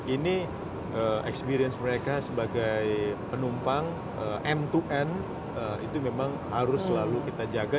ini experience mereka sebagai penumpang end to end itu memang harus selalu kita jaga